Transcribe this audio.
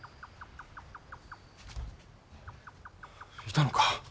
いたのか。